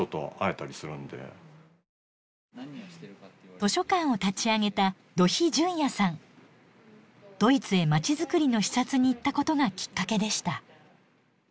図書館を立ち上げたドイツへまちづくりの視察に行ったことがきっかけでした。